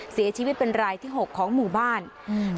เสียชีวิตเป็นรายที่หกของหมู่บ้านอืม